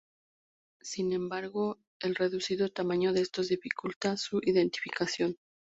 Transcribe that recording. Sin embargo, el reducido tamaño de estos dificulta su identificación.